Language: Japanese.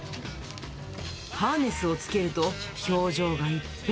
ハーネスをつけると、表情が一変。